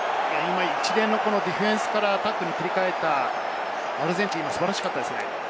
一連のディフェンスからタックルに切り替えたアルゼンチン素晴らしかったですね。